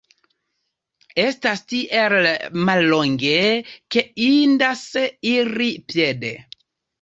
Estas tiel mallonge ke indas iri piede.